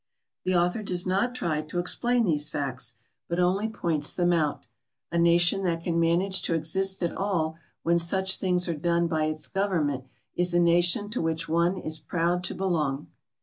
The author does not try to explain these facts, but only points them out; a nation that can manage to exist at all when such things are done by its Government is a nation to which one is proud to belong.